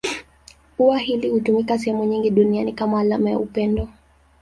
Ua hili hutumika sehemu nyingi duniani kama alama ya upendo.